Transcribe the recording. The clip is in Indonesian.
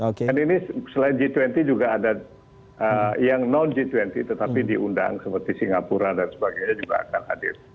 dan ini selain g dua puluh juga ada yang non g dua puluh tetapi diundang seperti singapura dan sebagainya juga akan hadir